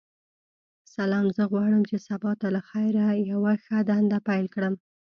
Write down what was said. سلام ،زه غواړم چی سبا ته لخیر یوه ښه دنده پیل کړم.